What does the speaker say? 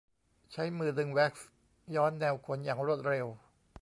ใช้มือดึงแว็กซ์ย้อนแนวขนอย่างรวดเร็ว